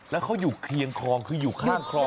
แล้วเขาอยู่เคียงคลองคืออยู่ข้างคลอง